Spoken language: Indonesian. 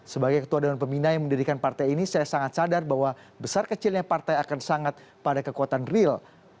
sebagai ketua dan pembina yang mendirikan partai ini saya sangat sadar bahwa besar kecilnya partai akan sangat pada kekuatan real